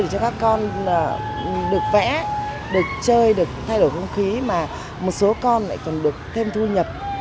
cho các con được vẽ được chơi được thay đổi không khí mà một số con lại còn được thêm thu nhập